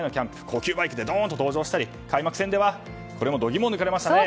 高級バイクでドーンと登場したり開幕戦ではこれ、度肝を抜かれましたね。